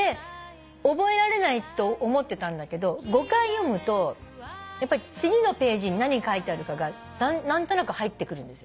覚えられないと思ってたんだけど５回読むと次のページに何書いてあるかが何となく入ってくるんですよ。